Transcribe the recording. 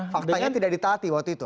faktanya tidak ditaati waktu itu